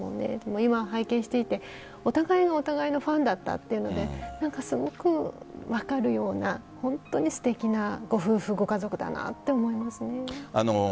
今、拝見していてお互いがお互いのファンだったというのですごく分かるような本当にすてきなご夫婦ご家族だなと思います。